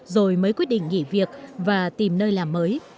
rồi mới quyết định nghỉ việc và tìm nơi làm mới